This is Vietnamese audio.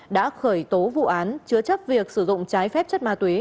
đã khởi tố vụ án chứa chấp việc sử dụng trái phép chất ma túy